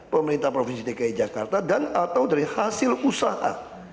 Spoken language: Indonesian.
pemerintah provinsi dki jakarta dan atau dari hasil usaha